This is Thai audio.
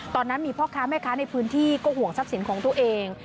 ตอนนั้นมีพ่อค้าแม่ค้าในพื้นที่ก็ห่วงทรัพย์สินของตัวเอง